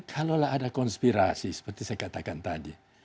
kalau ada konspirasi seperti saya katakan tadi